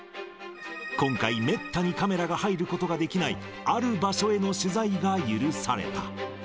今回、めったにカメラが入ることができない、ある場所への取材が許された。